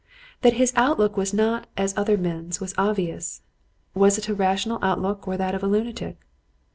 That his outlook was not as other men's was obvious. Was it a rational outlook or that of a lunatic?